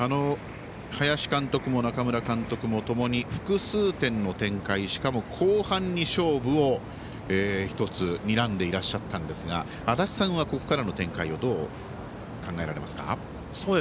林監督も中村監督もともに複数点の展開しかも後半に勝負を１つにらんでいらっしゃったんですが足達さんはここからの展開をどう考えられますか。